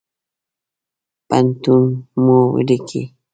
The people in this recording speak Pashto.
پټنوم مو ولیکئ